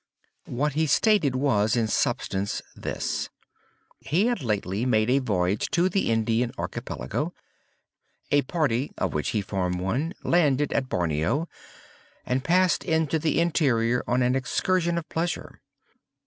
What he stated was, in substance, this. He had lately made a voyage to the Indian Archipelago. A party, of which he formed one, landed at Borneo, and passed into the interior on an excursion of pleasure.